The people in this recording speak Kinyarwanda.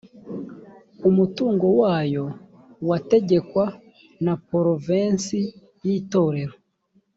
umutungo wayo wategekwa na porovensi y’itorero